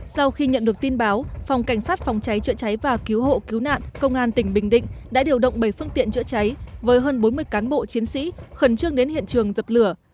sau khi nhận được tin báo phòng cảnh sát phòng cháy chữa cháy và cứu hộ cứu nạn công an tỉnh bình định đã điều động bảy phương tiện chữa cháy với hơn bốn mươi cán bộ chiến sĩ khẩn trương đến hiện trường dập lửa